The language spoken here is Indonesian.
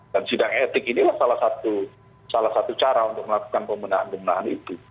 dan sidang etik inilah salah satu cara untuk melakukan pemenahan pemenahan itu